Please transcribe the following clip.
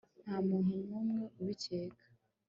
Nta muntu numwe ubikeka